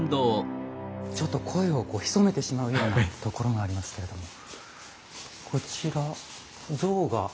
ちょっと声をこう潜めてしまうようなところがありますけれども。